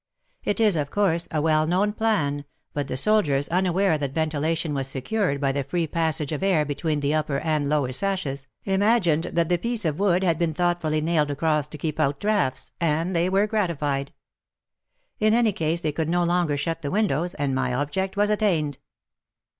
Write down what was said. It is, of course, a well known plan, but the soldiers, unaware that ventilation was secured by the free passage of air between the upper and lower sashes, imagined that the piece of wood had been thoughtfully nailed across to keep out draughts, and they were gratified. In any case they could no longer shut the windows, and my object was attained